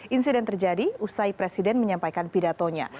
insiden terjadi usai presiden menyampaikan pidatonya